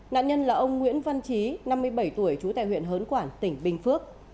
nạn nhân là ông nguyễn văn trí năm mươi bảy tuổi trú tại huyện hớn quản tỉnh bình phước